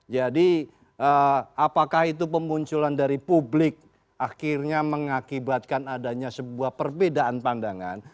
jadi apakah itu pemunculan dari publik akhirnya mengakibatkan adanya sebuah perbedaan pandangan